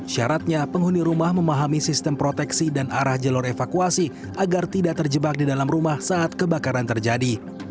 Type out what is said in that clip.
syaratnya penghuni rumah memahami sistem proteksi dan arah jalur evakuasi agar tidak terjebak di dalam rumah saat kebakaran terjadi